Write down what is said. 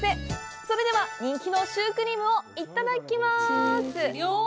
それでは、人気のシュークリームをいただきます！